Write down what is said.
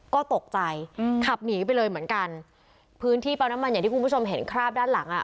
ก็ตกใจอืมขับหนีไปเลยเหมือนกันพื้นที่เป้าน้ำมันอย่างที่คุณผู้ชมเห็นคราบด้านหลังอ่ะ